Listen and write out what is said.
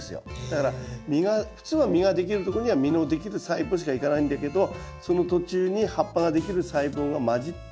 だから普通は実ができるとこには実のできる細胞しか行かないんだけどその途中に葉っぱができる細胞が混じってこういう状態になると。